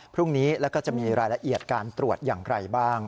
พรุ่งนี้แล้วก็จะมีรายละเอียดการตรวจอย่างไรบ้าง